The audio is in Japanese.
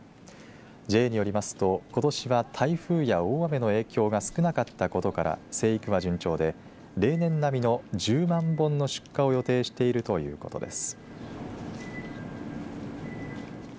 ＪＡによりますとことしは台風や大雨の影響が少なかったことから生育は順調で例年並みの１０万本の出荷を予定しているということです。